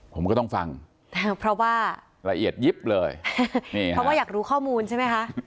ผมก็ต้องฟังเพราะว่าละเอียดยิบเลยนี่เพราะว่าอยากรู้ข้อมูลใช่ไหมคะ